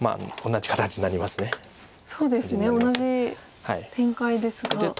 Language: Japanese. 同じ展開ですが。